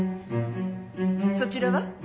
そちらは？